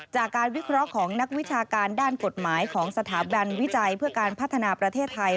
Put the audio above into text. จากการวิเคราะห์ของนักวิชาการด้านกฎหมายของสถาบันวิจัยเพื่อการพัฒนาประเทศไทย